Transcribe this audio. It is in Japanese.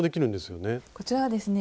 こちらはですね